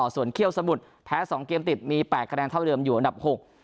ส่วนเขี้ยวสมุทรแพ้สองเกมติดมี๘คะแนนเท่าเดิมอยู่อันดับ๖